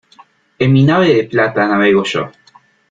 En mi nave de plata navego yo.